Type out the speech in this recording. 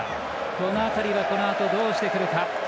この辺りはこのあと、どうしてくるか。